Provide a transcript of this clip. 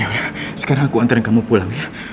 ya sekarang aku anterin kamu pulang ya